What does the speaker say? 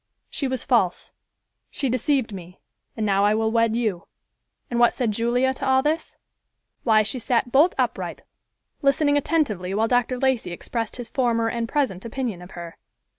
She was false; she deceived me, and now I will wed you." And what said Julia to all this? Why, she sat bolt upright, listening attentively while Dr. Lacey expressed his former and present opinion of her.